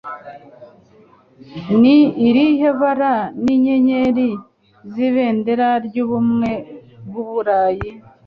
Ni irihe bara ni Inyenyeri Z'ibendera ry'Ubumwe bw'Uburayi